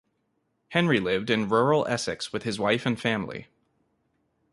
Henry lived in rural Essex with his wife and family.